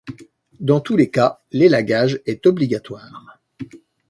Dans tous les cas, l’élagage est obligatoire.